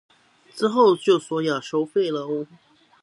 之後就說要收費了